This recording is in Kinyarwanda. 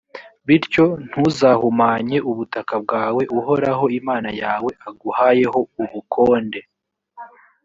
bityo, ntuzahumanye ubutaka bwawe uhoraho imana yawe aguhayeho ubukonde.